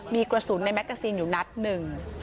มีกระสุนในแกซีนอยู่นัดหนึ่ง